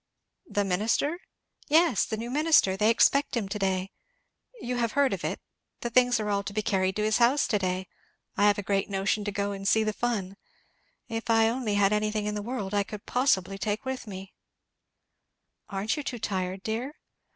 "The minister?" "Yes, the new minister they expect him to day; you have heard of it; the things are all to be carried to his house to day. I have a great notion to go and see the fun if I only had anything in the world I could possibly take with me " "Aren't you too tired, dear?"